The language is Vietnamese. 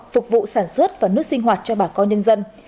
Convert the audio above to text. phục vụ sản xuất và nước sinh hoạt cho bà con nhân dân